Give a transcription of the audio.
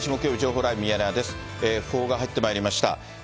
訃報が入ってまいりました。